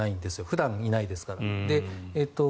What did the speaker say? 普段いないですから。